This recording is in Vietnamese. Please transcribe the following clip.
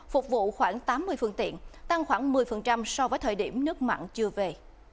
phục vụ khoảng tám mươi phương tiện tăng khoảng một mươi so với thời điểm nước mặn chưa về